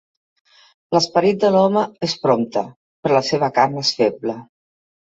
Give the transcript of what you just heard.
L'esperit de l'home és prompte, però la seva carn és feble